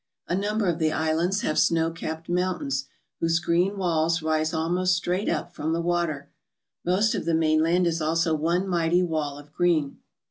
A number of the islands have snow capped mountains whose green walls rise almost straight up from the water* Most of the mainland is also one mighty wall of green.